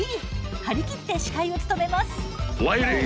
張り切って司会を務めます